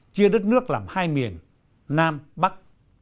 chia đất nước làm hai miền nam bắc